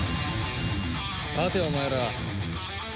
立てお前ら。